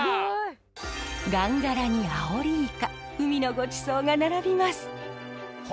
ガンガラにアオリイカ海のごちそうが並びます。